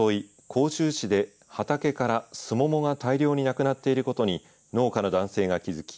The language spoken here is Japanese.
甲州市で畑からスモモが大量になくなっていることに農家の男性が気付き